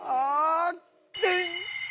でん！